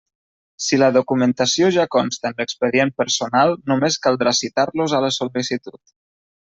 Si la documentació ja consta en l'expedient personal, només caldrà citar-los a la sol·licitud.